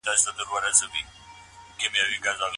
د ټولنيزو ځواکونو توازن سياست مستحکموي.